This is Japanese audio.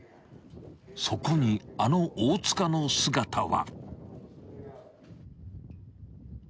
［そこにあの大塚の姿は］